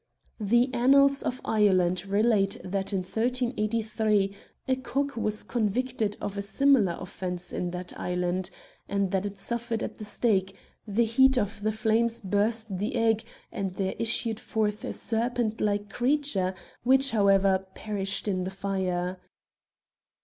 The annals of Ireland relate that in 1383 a cock was convicted of a similar offence in that island, and that it suffered at the stake ; the heat of the flames burst the egg, and there issued forth a serpent like creature, which, however, perished in the fire.